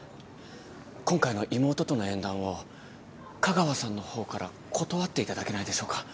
今回の妹との縁談を香川さんの方から断っていただけないでしょうか。